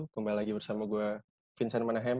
kembali lagi bersama gue vincent manahem